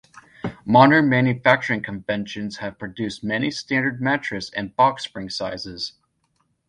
Modern manufacturing conventions have produced many standard mattress and box spring sizes.